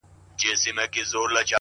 • نه تميز د ښو او بدو به اوس كېږي ,